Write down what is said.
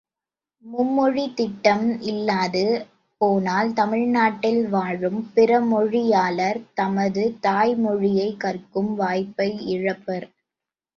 மும்மொழித் திட்டம் இல்லாது போனால் தமிழ்நாட்டில் வாழும் பிறமொழியாளர் தமது தாய் மொழியைக் கற்கும் வாய்ப்பை இழப்பர்.